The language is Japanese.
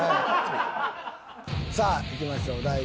さあいきましょう。